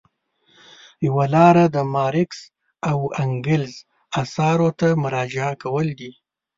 یوه لاره د مارکس او انګلز اثارو ته مراجعه کول دي.